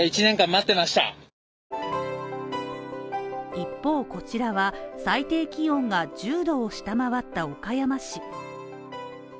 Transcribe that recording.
一方こちらは最低気温が１０℃を下回った岡山市。